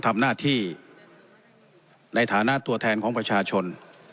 ทำหน้าที่ในฐานะตัวแทนของประชาชน